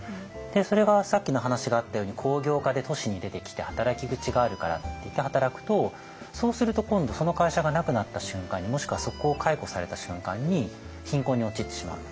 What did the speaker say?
それがさっきの話があったように工業化で都市に出てきて働き口があるからっていって働くとそうすると今度その会社がなくなった瞬間にもしくはそこを解雇された瞬間に貧困に陥ってしまう。